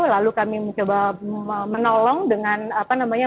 lalu kami mencoba menolong dengan apa namanya